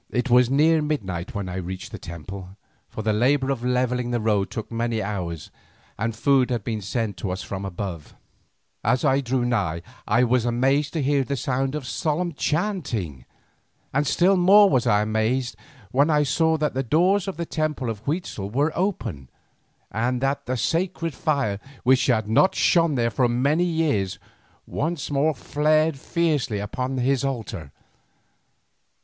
It was near midnight when I reached the temple, for the labour of levelling the road took many hours and food had been sent to us from above. As I drew nigh I was amazed to hear the sound of solemn chanting, and still more was I amazed when I saw that the doors of the temple of Huitzel were open, and that the sacred fire which had not shone there for many years once more flared fiercely upon his altar.